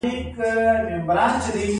یوې ورځې چا په مجلس کې پوښتنه وکړه.